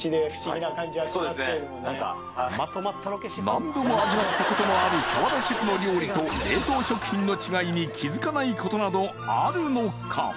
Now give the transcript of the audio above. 何度も味わったことのある澤田シェフの料理と冷凍食品の違いに気づかないことなどあるのか？